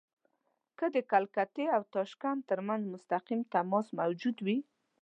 که د کلکتې او تاشکند ترمنځ مستقیم تماس موجود وي.